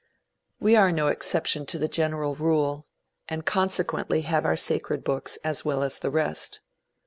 We are no exception to the general rule, and consequently have our sacred books as well as the rest.